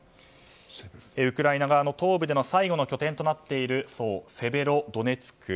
ウクライナ側の東部での最後の拠点となっているセベロドネツク。